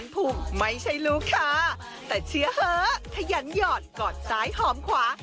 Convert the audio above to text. พุ่มไม่ใช่ลูกค้าแต่เชียวเหอะถ้ายันหยอดกอดซ้ายหอมขวา